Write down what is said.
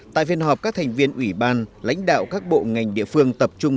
tại phiên họp các thành viên ủy ban lãnh đạo các bộ ngành địa phương tập trung